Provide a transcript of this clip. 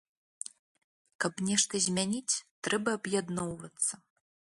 Каб нешта змяніць, трэба аб'ядноўвацца.